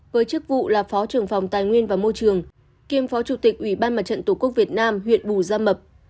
với chức vụ là phó trưởng phòng tài nguyên và môi trường kiêm phó chủ tịch ủy ban mặt trận tổ quốc việt nam huyện bù gia mập